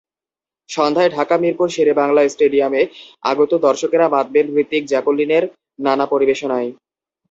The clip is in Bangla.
সন্ধ্যায় ঢাকার মিরপুর শেরেবাংলা স্টেডিয়ামে আগত দর্শকেরা মাতবেন হৃতিক-জ্যাকুলিনের নানা পরিবেশনায়।